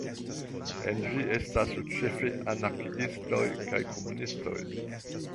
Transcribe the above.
En ĝi estas ĉefe anarkiistoj kaj komunistoj.